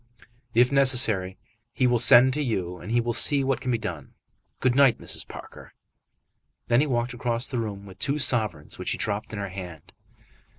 "If necessary, he will send to you, and he will see what can be done. Good night, Mrs. Parker." Then he walked across the room with two sovereigns which he dropped in her hand.